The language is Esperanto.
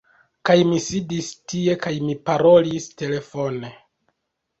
Kaj mi sidis tie kaj mi parolis telefone.